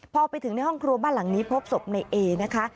พอไปถึงในห้องครัวบ้านหลังนี้พบศพในเอนะคะ